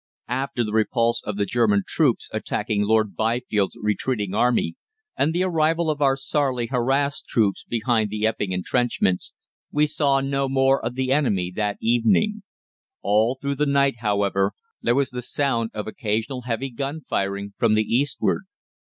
After the repulse of the German troops attacking Lord Byfield's retreating army and the arrival of our sorely harassed troops behind the Epping entrenchments, we saw no more of the enemy that evening. All through the night, however, there was the sound of occasional heavy gun firing from the eastward.